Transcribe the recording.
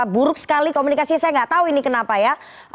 buruk sekali komunikasi saya nggak tahu ini kenapa ya